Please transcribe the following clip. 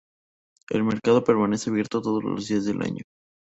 El mercado permanece abierto todos los días del año.